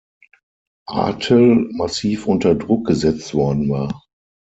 Atel massiv unter Druck gesetzt worden war.